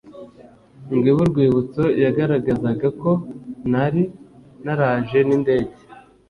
ngo ibe urwibutso Yagaragazaga ko nari naraje n indege